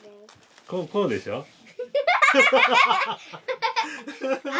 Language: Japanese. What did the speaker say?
こうでしょ？頭！